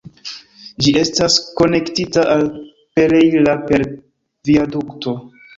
Ĝi estas konektita al "Pereira" per viadukto.